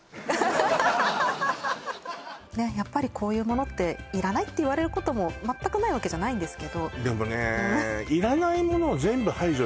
やっぱりこういうものっていらないって言われることも全くないわけじゃないんですけどでもね